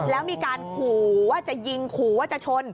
แล้วมีการขู่ว่าจะยิงขู่ว่าจะชน